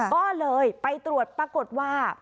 ก็เลยไปตรวจปรากฏว่า